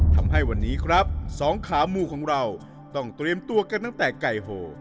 ทำให้วันนี้ครับสองขามูของเราต้องเตรียมตัวกันตั้งแต่ไก่โห